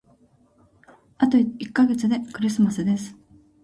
あと一ヶ月でクリスマスです。